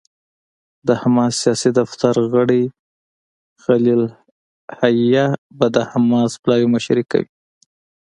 د حماس سیاسي دفتر غړی خلیل الحية به د حماس پلاوي مشري کوي.